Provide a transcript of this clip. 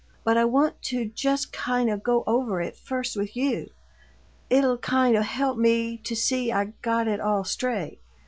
But I want to just kind of go over it first with you; it'll kind of help me to see I got it all straight.